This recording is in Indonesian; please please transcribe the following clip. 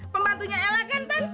pembantunya ella kan tan